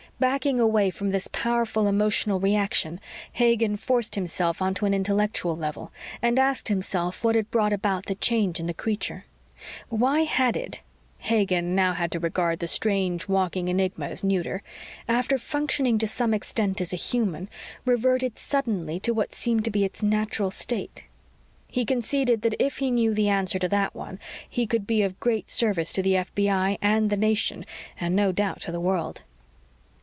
Backing away from this powerful emotional reaction, Hagen forced himself onto an intellectual level, and asked himself what had brought about the change in the creature. Why had it Hagen now had to regard the strange, walking enigma as neuter after functioning to some extent as a human, reverted suddenly to what seemed to be its natural state? He conceded that if he knew the answer to that one, he could be of great service to the FBI and the nation and, no doubt to the world